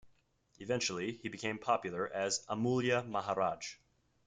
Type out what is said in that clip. Eventually, he became popular as Amulya Maharaj.